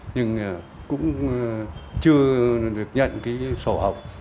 nhưng cũng chưa được nhận cái sổ học